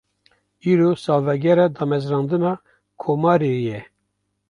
Îro, salvegera damezrandina Komarê ye